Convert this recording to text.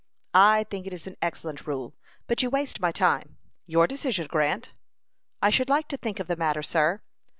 "I think it is an excellent rule. But you waste my time. Your decision, Grant." "I should like to think of the matter, sir."